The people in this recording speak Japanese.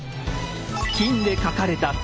金で描かれた舟。